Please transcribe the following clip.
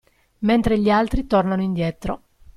Mentre gli altri tornano indietro.